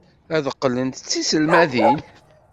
Ad qqlent d tiselmadin.